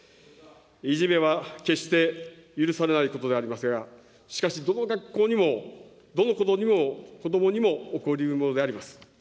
いじめは決して許されないことでありますが、しかし、どの学校にも、どの子どもにも起こりうるものであります。